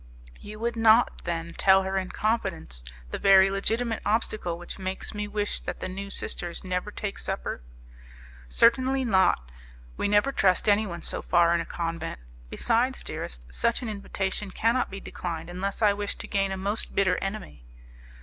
"You would not, then, tell her in confidence the very legitimate obstacle which makes me wish that the new sisters never take supper?" "Certainly not: we never trust anyone so far in a convent. Besides, dearest, such an invitation cannot be declined unless I wish to gain a most bitter enemy."